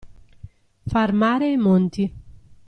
Far mare e monti.